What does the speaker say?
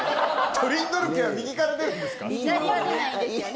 トリンドル家は右から出るんですか。